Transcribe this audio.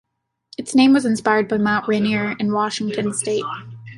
Its name was inspired by Mount Rainier in Washington state.